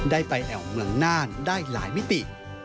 ได้ไปแอวเมืองน่านได้หลายมิติ